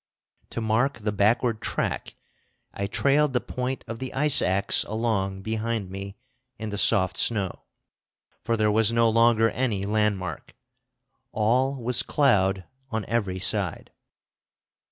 To mark the backward track I trailed the point of the ice axe along behind me in the soft snow, for there was no longer any landmark; all was cloud on every side.